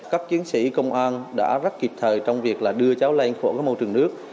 các chiến sĩ công an đã rất kịp thời trong việc đưa cháu lên khu vực môi trường nước